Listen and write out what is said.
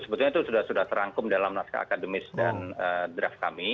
sebetulnya itu sudah terangkum dalam naskah akademis dan draft kami